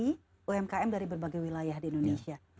bri menyeleksi umkm dari berbagai wilayah di indonesia